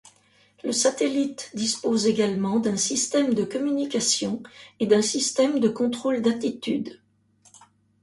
Le satellite dispose également d'un système de communications et d'un système de contrôle d'attitude.